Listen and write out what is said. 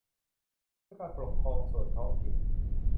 เพื่อการปกครองส่วนท้องถิ่น